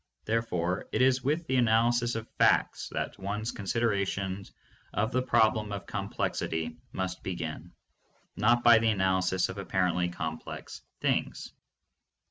Therefore it is with the analysis of facts that one's consideration of the problem of complexity must begin, not by the analysis of apparently complex things.